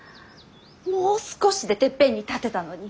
もう少しでてっぺんに立てたのに！